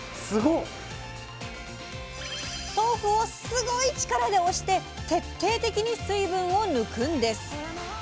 豆腐をすごい力で押して徹底的に水分を抜くんです！